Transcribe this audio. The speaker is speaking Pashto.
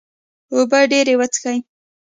اوبه ډیرې وڅښئ